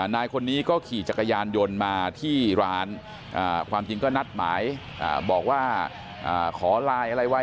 นายคนนี้ก็ขี่จักรยานยนต์มาที่ร้านความจริงก็นัดหมายบอกว่าขอไลน์อะไรไว้